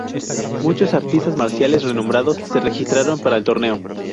Muchos artistas marciales renombrados se registraron para el torneo.